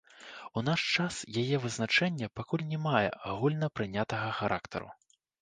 У наш час яе вызначэнне пакуль не мае агульна прынятага характару.